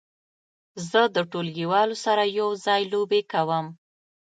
زه د ټولګیوالو سره یو ځای لوبې کوم.